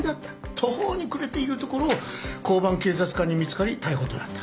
途方に暮れているところを交番警察官に見つかり逮捕となった。